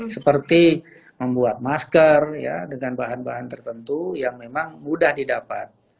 seperti membuat masker dengan bahan bahan tertentu yang memang mudah didapat